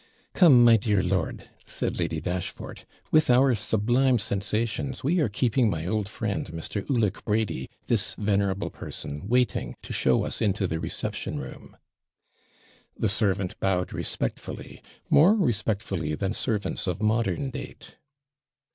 'Come, my dear lord!' said Lady Dashfort; 'with our sublime sensations, we are keeping my old friend, Mr. Alick Brady, this venerable person, waiting, to show us into the reception room.' The servant bowed respectfully more respectfully than servants of modern date.